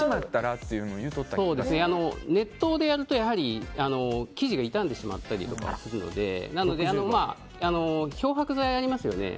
熱湯でやると、やはり生地が傷んでしまったりするのでなので、漂白剤ありますよね。